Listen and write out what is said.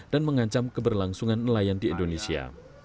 dan mengancam keberlangsungan nelayan di indonesia